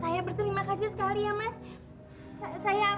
saya berterima kasih sekali ya mas